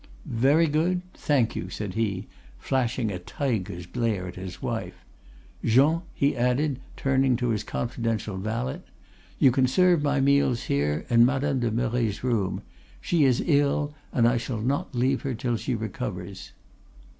"'Very good; thank you,' said he, flashing a tiger's glare at his wife. 'Jean,' he added, turning to his confidential valet, 'you can serve my meals here in Madame de Merret's room. She is ill, and I shall not leave her till she recovers.